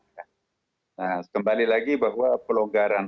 nah kembali lagi bahwa pelonggaran